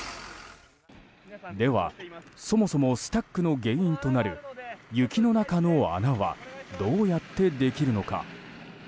では、そもそもスタックの原因となる雪の中の穴はどうやってできるのか。